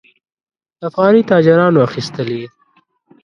افغاني تاجرانو اخیستلې.